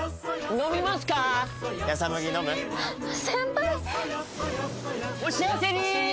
お幸せに！